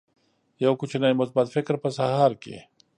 یو کوچنی مثبت فکر په سهار کې